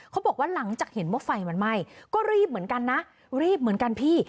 เขาบอกว่าหลังจากเห็นว่าไฟมันไหม้ก็รีบเหมือนกันนะรีบเหมือนกันพี่